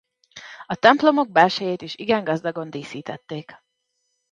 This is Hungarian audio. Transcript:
A templomok belsejét is igen gazdagon díszítették.